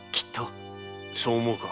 そう思うか？